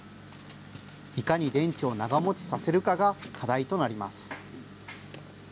いかに電池を長もちさせるかが課題となります。